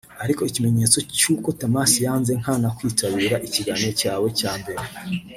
Ariko ikimenyetso cy’uko Tomasi yanze nkana kwitabira ikiganiro cyawe cya mbere